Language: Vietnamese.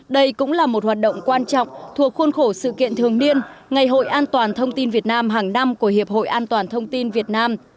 đây cũng là một hoạt động quan trọng thuộc khuôn khổ sự kiện thường niên ngày hội an toàn thông tin việt nam hàng năm của hiệp hội an toàn thông tin việt nam